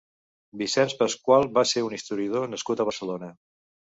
Vicenç Pascual va ser un historiador nascut a Barcelona.